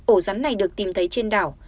ổ rắn này được tìm thấy trên đảo